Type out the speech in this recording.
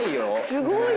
すごいね。